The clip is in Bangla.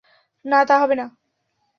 না, তা হবে না।